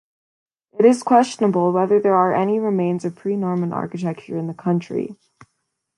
It is questionable whether there are any remains of pre-Norman architecture in the county.